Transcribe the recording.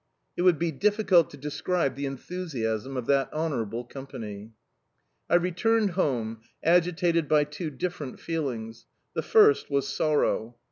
It would be difficult to describe the enthusiasm of that honourable company. I returned home, agitated by two different feelings. The first was sorrow.